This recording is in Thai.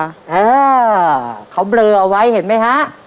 ยุทธ์เออเขาเบลอเอาไว้เห็นมั้ยฮะ